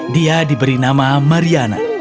dia diberi nama mariana